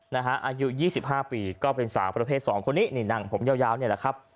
อายุ๒๕ปีก็เป็นสาวประเภท๒คนนี้นี่นั่งผมยาวนี่แหละครับ